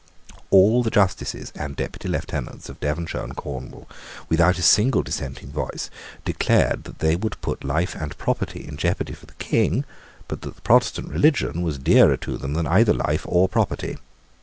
All the justices and Deputy Lieutenants of Devonshire and Cornwall, without a single dissenting voice, declared that they would put life and property in jeopardy for the King, but that the Protestant religion was dearer to them than either life or property.